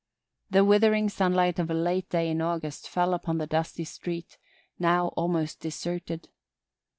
The withering sunlight of a day late in August fell upon the dusty street, now almost deserted.